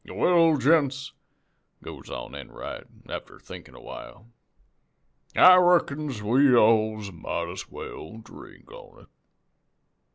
"'Well, gents,' goes on Enright, after thinkin' a while, 'I reckons we alls might as well drink on it.